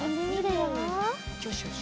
よしよし！